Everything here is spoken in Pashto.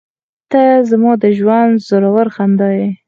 • ته زما د ژونده زړور خندا یې.